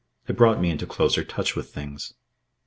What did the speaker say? They brought me into closer touch with things.